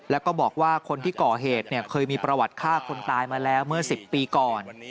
แล้วก็บอกว่าคนที่ก่อเหตุเคยมีประวัติฆ่าคนตายมาแล้วเมื่อ๑๐ปีก่อน